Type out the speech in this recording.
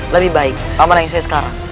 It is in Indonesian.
lebih baik aman yang saya sekarang